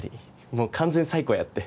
もう完全サイコやって